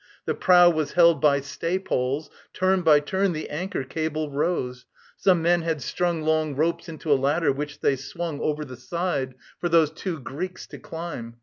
The prow was held by stay poles: turn by turn The anchor cable rose; some men had strung Long ropes into a ladder, which they swung Over the side for those two Greeks to climb.